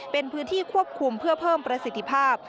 เป็นพื้นที่ควบคุมเพื่อเพิ่มประสิทธิภาพ